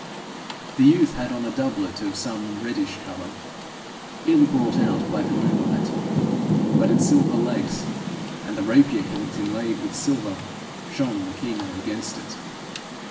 The youth had on a doublet of some reddish colour, ill brought out by the moonlight, but its silver lace and the rapier hilt inlaid with silver shone the keener against it.